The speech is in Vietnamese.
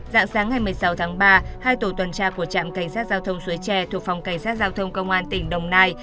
dạng sáng ngày một mươi sáu tháng ba hai tổ tuần tra của trạm cảnh sát giao thông suối tre thuộc phòng cảnh sát giao thông công an tỉnh đồng nai